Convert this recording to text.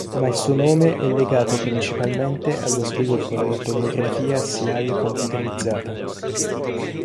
Ma il suo nome è legato principalmente allo sviluppo della tomografia assiale computerizzata.